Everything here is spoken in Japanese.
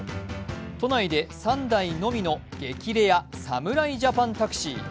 都内で３台のみの激レア侍ジャパンタクシー。